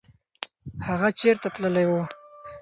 هغه چېرته تللی و؟